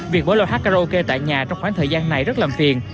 việc bỏ loa hát karaoke tại nhà trong khoảng thời gian này rất làm phiền